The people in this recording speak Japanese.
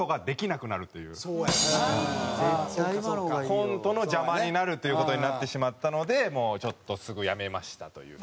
コントの邪魔になるという事になってしまったのでちょっとすぐやめましたという。